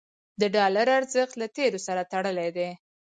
د ډالر ارزښت له تیلو سره تړلی دی.